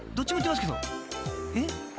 ［えっ？